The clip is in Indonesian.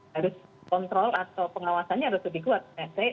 harus kontrol atau pengawasannya harus lebih kuat